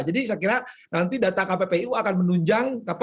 saya kira nanti data kppu akan menunjang